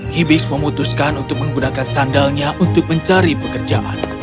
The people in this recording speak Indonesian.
hibis memutuskan untuk menggunakan sandalnya untuk mencari pekerjaan